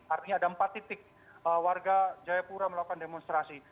artinya ada empat titik warga jayapura melakukan demonstrasi